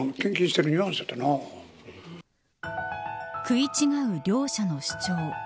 食い違う両者の主張。